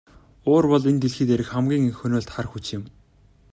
Уур бол энэ дэлхий дээрх хамгийн их хөнөөлт хар хүч юм.